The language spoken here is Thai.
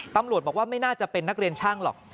ตำรวจบอกว่าไม่น่าจะเป็นนักเรียนช่างหรอก